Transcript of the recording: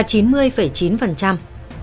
là một trong sáu nước